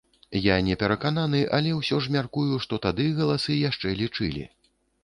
Я не перакананы, але ўсё ж мяркую, што тады галасы яшчэ лічылі.